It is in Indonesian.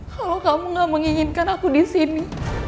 kalau kamu gak menginginkan aku disini